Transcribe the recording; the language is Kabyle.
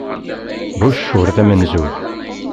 Bush ur d amenzug.